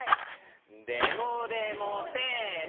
でもでもせの。